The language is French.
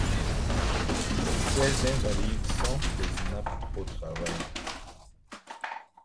Ces invalides sont les inaptes au travail.